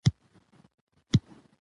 واک د خلکو د باور ساتلو مسوولیت لري.